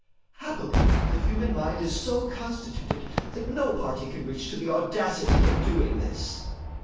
Happily the human mind is so constituted that no party can reach to the audacity of doing this.